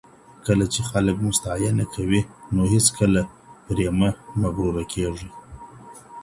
کله چي خلګ مو ستاینه کوي نو هېڅکله پرې مه مغروره کېږئ.